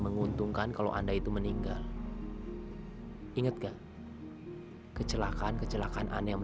ketangan putri saya clio